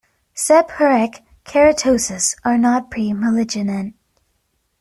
Seborrheic keratoses are not pre-malignant.